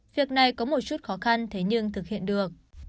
việc này có một chút khó khăn thế nhưng thực hiện được